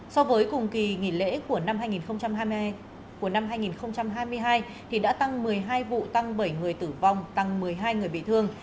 so với cùng kỳ nghỉ lễ của năm hai nghìn hai mươi hai đã tăng một mươi hai vụ tăng bảy người tử vong tăng một mươi hai người bị thương